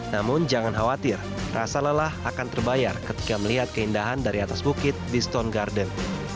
namun jangan khawatir rasa lelah akan terbayar ketika melihat keindahan dari atas bukit di stone garden